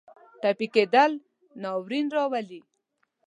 ټپي کېدل ناورین راولي.